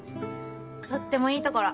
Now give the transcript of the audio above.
とってもいい所。